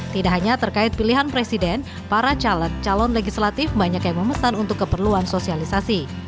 tidak hanya terkait pilihan presiden para calon legislatif banyak yang memesan untuk keperluan sosialisasi